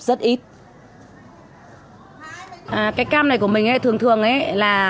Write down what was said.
cái cam này của mình thường thường là